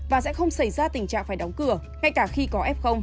và sẽ không xảy ra tình trạng phải đóng cửa ngay cả khi có f